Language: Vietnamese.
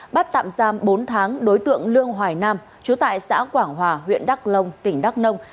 bắt tạm giam bốn tháng đối tượng lương hoài nam chú tại xã quảng hòa huyện đắk long tỉnh đắk nông